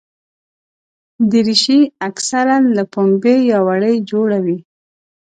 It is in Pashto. دریشي اکثره له پنبې یا وړۍ جوړه وي.